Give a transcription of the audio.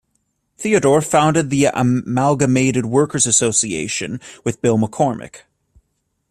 Theodore founded the Amalgamated Workers' Association with Bill McCormack.